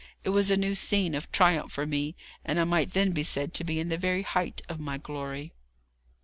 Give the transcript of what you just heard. It was a new scene of triumph for me, and I might then be said to be in the very height of my glory.